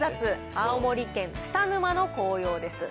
青森県蔦沼の紅葉です。